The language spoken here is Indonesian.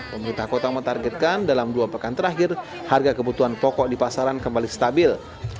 pemerintah kota mentargetkan dalam dua pekan terakhir harga kebutuhan pokok di pasaran kembali stabil